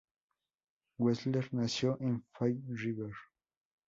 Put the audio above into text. Wexler nació en Fall River.